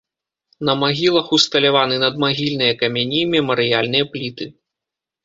На магілах усталяваны надмагільныя камяні, мемарыяльныя пліты.